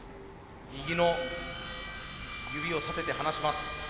右の指を立てて離します。